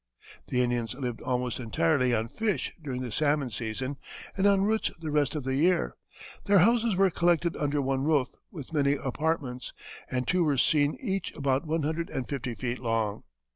The Indians lived almost entirely on fish during the salmon season, and on roots the rest of the year. Their houses were collected under one roof, with many apartments, and two were seen each about one hundred and fifty feet long.